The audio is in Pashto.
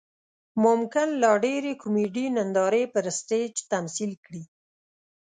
ممکن لا ډېرې کومیډي نندارې پر سټیج تمثیل کړي.